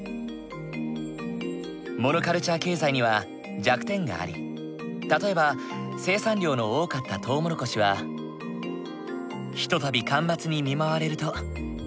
モノカルチャー経済には弱点があり例えば生産量の多かったとうもろこしはひとたび干ばつに見舞われると壊滅的な被害を被り